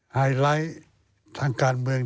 ไฮไลท์ทางการเมือง